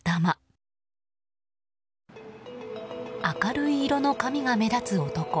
明るい色の髪が目立つ男。